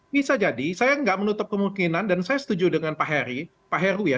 bisa jadi saya nggak menutup kemungkinan dan saya setuju dengan pak heru ya